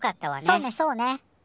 そうねそうね。